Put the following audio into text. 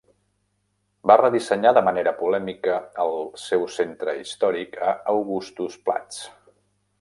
Va redissenyar de manera polèmica el seu centre històric a Augustusplatz.